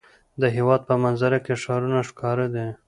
د هېواد په منظره کې ښارونه ښکاره دي.